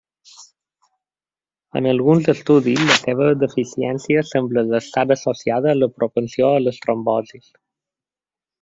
En alguns estudis la seva deficiència sembla estar associada a la propensió a les trombosis.